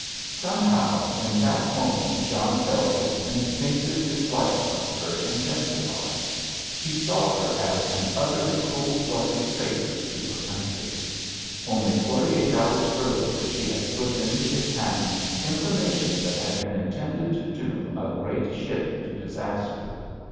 Somehow, in that moment John felt his instinctive dislike of her intensify. He saw her as an utterly cold blooded traitor to her country. Only forty eight hours earlier she had slipped into his hand information that had been intended to doom a great ship to disaster.